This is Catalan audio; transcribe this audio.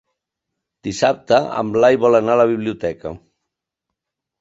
Dissabte en Blai vol anar a la biblioteca.